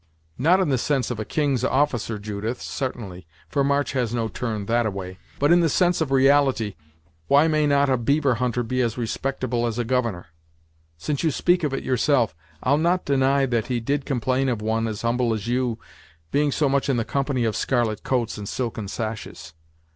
"Not in the sense of a king's officer, Judith, sartainly, for March has no turn that a way; but in the sense of reality, why may not a beaver hunter be as respectable as a governor? Since you speak of it yourself, I'll not deny that he did complain of one as humble as you being so much in the company of scarlet coats and silken sashes.